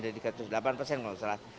ada tiga ratus delapan persen kalau tidak salah